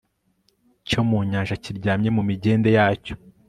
cyo mu nyanja kiryamye mu migende yacyo